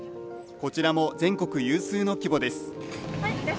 こちらも全国有数の規模です。